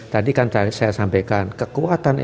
tadi kan saya sampaikan kekuatan ekonomi